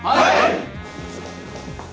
はい！